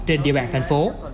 trên địa bàn thành phố